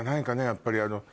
やっぱり。